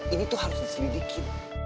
ini tuh harus diselidiki